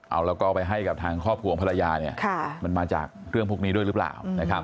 เอาแล้วก็ไปให้กับทางครอบครัวของภรรยามันมาจากเรื่องพวกนี้ด้วยหรือเปล่า